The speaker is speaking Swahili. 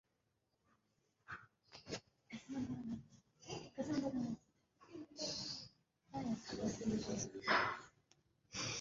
Tangu kale yeye pia anaheshimiwa na Wakatoliki na Waanglikana kama mtakatifu.